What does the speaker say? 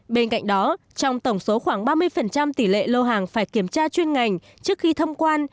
bên cạnh đó trong tổng số khoảng ba mươi tỷ lệ lô hàng phải kiểm tra chuyên ngành trước khi thông quan